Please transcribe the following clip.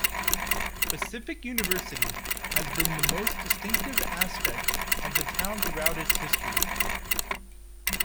Pacific University has been the most distinctive aspect of the town throughout its history.